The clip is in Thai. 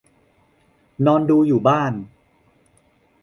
นอนดูอยู่บ้าน